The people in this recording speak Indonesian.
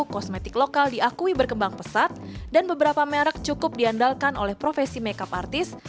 kosmetik lokal diakui berkembang pesat dan beberapa merek cukup diandalkan oleh profesi makeup artist